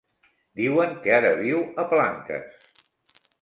Diuen que ara viu a Palanques.